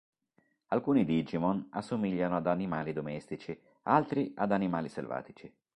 Alcuni Digimon assomigliano ad animali domestici, altri ad animali selvatici.